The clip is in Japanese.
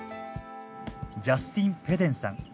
ジャスティン・ぺデンさん。